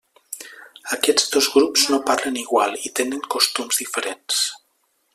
Aquests dos grups no parlen igual i tenen costums diferents.